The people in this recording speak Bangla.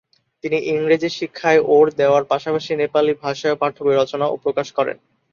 তিনি ইংরেজি শিক্ষায় ওর দেওয়ার পাশাপাশি নেপালি ভাষায়ও পাঠ্যবই রচনা ও প্রকাশ করেন।